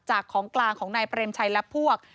ของกลางของนายเปรมชัยและพวก